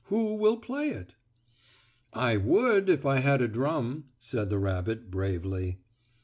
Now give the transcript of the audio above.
Who will play it?" "I would if I had a drum," said the rabbit, bravely.